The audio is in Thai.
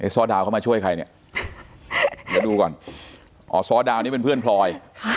ซ่อดาวเข้ามาช่วยใครเนี่ยเดี๋ยวดูก่อนอ๋อซ่อดาวนี่เป็นเพื่อนพลอย